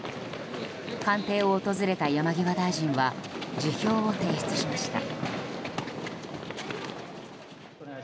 官邸を訪れた山際大臣は辞表を提出しました。